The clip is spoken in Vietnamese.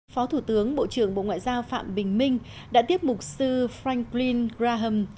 phó thủ tướng bộ trưởng bộ ngoại giao phạm bình minh đã tiếp mục sư franklin graham